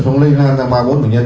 xong lây lan ra ba bốn bệnh nhân